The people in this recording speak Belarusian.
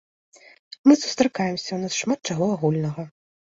Мы сустракаемся, у нас шмат чаго агульнага.